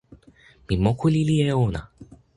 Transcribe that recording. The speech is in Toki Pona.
mi moku lili e ona.